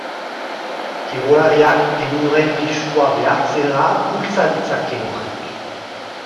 Kirolariak euren pisua behartzera bultza ditzake horrek.